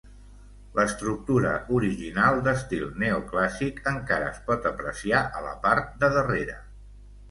L'estructura original, d'estil neoclàssic, encara es pot apreciar a la part de darrere.